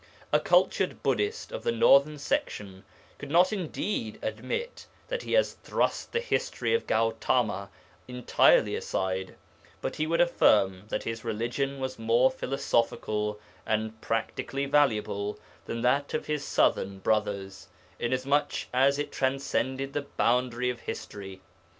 A cultured Buddhist of the northern section could not indeed admit that he has thrust the history of Gautama entirely aside, but he would affirm that his religion was more philosophical and practically valuable than that of his southern brothers, inasmuch as it transcended the boundary of history.